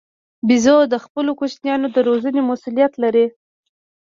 بیزو د خپلو کوچنیانو د روزنې مسوولیت لري.